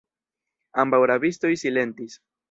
Ambaŭ rabistoj silentis.